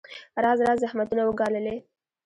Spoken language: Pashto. راز راز زحمتونه وګاللې.